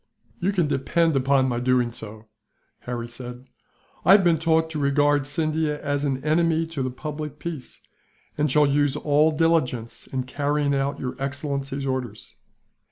"You can depend upon my doing so," Harry said. "I have been taught to regard Scindia as an enemy to the public peace, and shall use all diligence in carrying out your excellency's orders."